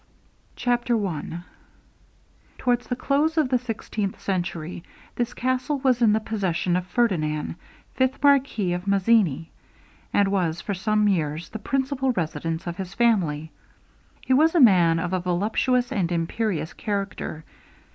CHAPTER I Towards the close of the sixteenth century, this castle was in the possession of Ferdinand, fifth marquis of Mazzini, and was for some years the principal residence of his family. He was a man of a voluptuous and imperious character.